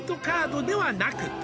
カードではなく」